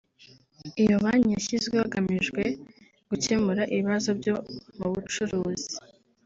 Iyo Banki yashyizweho hagamijwe gukemura ibibazo byo mu bucuruzi